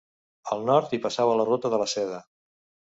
Al nord, hi passava la ruta de la Seda.